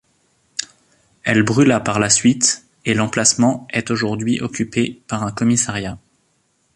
Elle brûla par la suite, et l'emplacement est aujourd'hui occupé par un commissariat.